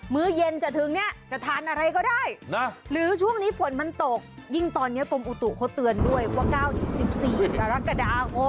มือเย็นจะถึงจะทานอะไรก็ได้หรือช่วงนี้ฝนตกยิ่งตอนนี้กรมอุตุเขาเตือนด้วยว่า๙๑๔กรกฏอ๋อมโอ้โห